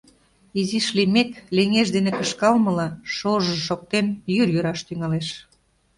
Изиш лиймек, леҥеж дене кышкалмыла, шож-ж шоктен, йӱр йӱраш тӱҥалеш.